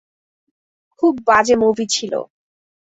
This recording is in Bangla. খুব বাজে মুভি ছিল।